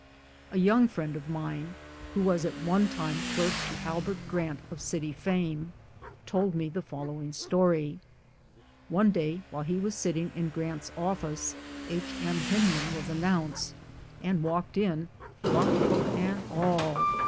A young friend of mine, who was at one time clerk to Albert Grant of City fame, told me the following story. One day while he was sitting in Grant's office H. M. Hyndman was announced, and walked in, frock coat and all.